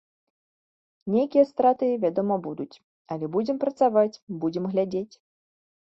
Нейкія страты, вядома, будуць, але будзем працаваць, будзем глядзець.